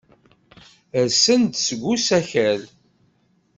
Rsen-d seg usakal.